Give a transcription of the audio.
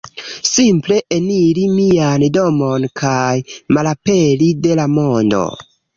simple eniri mian domon kaj malaperi de la mondo